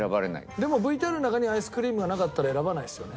でもＶＴＲの中にアイスクリームがなかったら選ばないですよね。